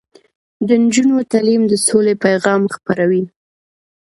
د نجونو تعلیم د سولې پیغام خپروي.